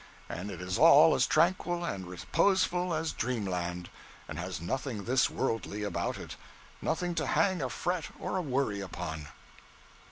And it is all as tranquil and reposeful as dreamland, and has nothing this worldly about it nothing to hang a fret or a worry upon.